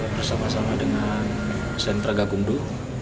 bersama sama dengan sentra gakumdu